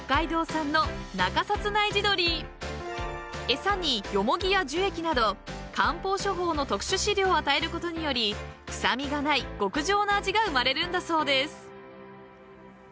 ［餌にヨモギや樹液など漢方処方の特殊飼料を与えることにより臭みがない極上の味が生まれるんだそうです］